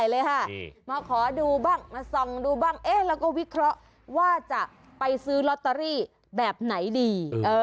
แล้วเราก็วิเคราะห์ว่าจะไปซื้อลอตเตอรี่แบบไหนดี